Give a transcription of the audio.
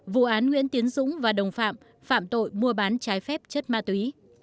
vụ án nguyễn tiến dũng và đồng phạm phạm tội mua bán trái phép chất ma túy